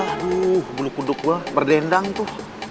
aduh bulu kuduk gue berdendang tuh